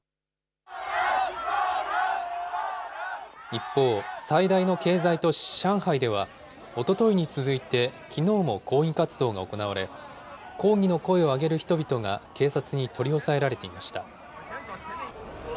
一方、最大の経済都市、上海では、おとといに続いて、きのうも抗議活動が行われ、抗議の声を上げる人々が警察に取り押さえられていました。